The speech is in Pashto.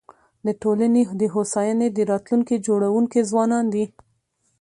د ټولني د هوساینې د راتلونکي جوړونکي ځوانان دي.